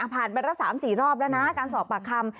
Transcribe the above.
ผ่านไปละ๓๔รอบแล้วการสอบปากคำ